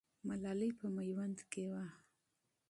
ملالۍ په میوند کې وه.